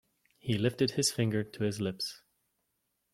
He lifted his finger to his lips.